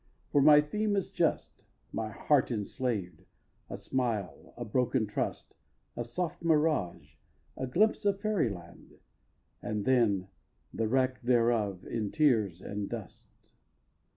For my theme is just: A heart enslaved, a smile, a broken trust, A soft mirage, a glimpse of fairyland, And then the wreck thereof in tears and dust.